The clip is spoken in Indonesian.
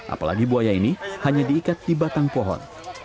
apalagi buaya ini hanya diikat di batang pohon